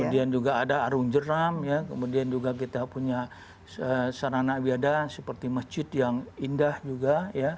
kemudian juga ada arung jeram kemudian juga kita punya sarana biada seperti masjid yang indah juga